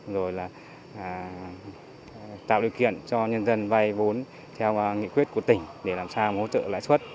rồi là tạo điều kiện cho nhân dân vay vốn theo nghị quyết của tỉnh để làm sao hỗ trợ lãi suất